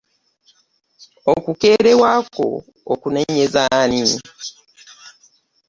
Okukeerewa kwo okunenyeza ani?